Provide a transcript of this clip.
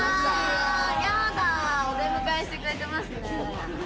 やだお出迎えしてくれてますね。